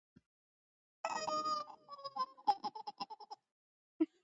ამის შემდეგ, კოპენჰაგენი უკვე ოფიციალურად გამოცხადდა დანიის დედაქალაქად.